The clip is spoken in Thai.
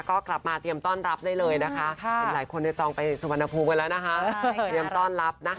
ก็กลับมาต้องรับเงิน